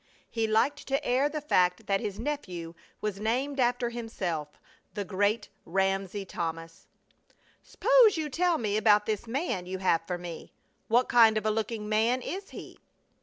He liked to air the fact that his nephew was named after himself, the great Ramsey Thomas. "Suppose you tell me about this man you have for me? What kind of a looking man is he?"